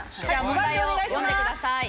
問題を読んでください。